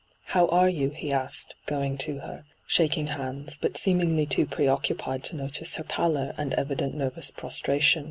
' How are you V he asked, going to her, shaking hands, but seemingly too preoccupied to notice her paUor and evident nervous prostra tion.